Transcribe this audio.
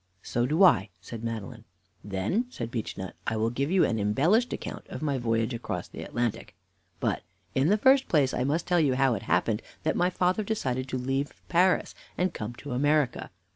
"So do I," said Madeline. "Then," said Beechnut, "I will give you an embellished account of my voyage across the Atlantic. But, in the first place, I must tell you how it happened that my father decided to leave Paris and come to America.